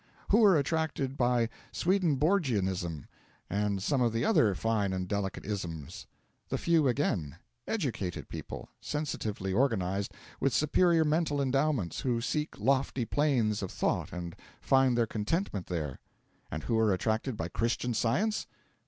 Who are attracted by Swedenborgianism and some of the other fine and delicate 'isms?' The few again: Educated people, sensitively organised, with superior mental endowments, who seek lofty planes of thought and find their contentment there. And who are attracted by Christian Science?